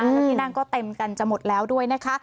แล้วที่นั่งก็เต็มกันจะหมดแล้วด้วยนะคะ